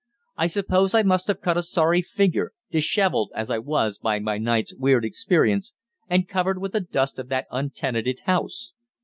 I suppose I must have cut a sorry figure, dishevelled as I was by my night's weird experience, and covered with the dust of that untenanted house.